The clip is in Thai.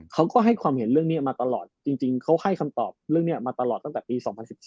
เขาก็ให้ความเห็นเรื่องนี้มาตลอดจริงเขาให้คำตอบเรื่องนี้มาตลอดตั้งแต่ปี๒๐๑๔